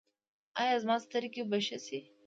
ایا زما سترګې به ښې شي؟